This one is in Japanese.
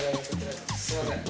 すいません